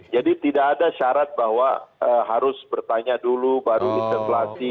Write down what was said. jadi tidak ada syarat bahwa harus bertanya dulu baru interpelasi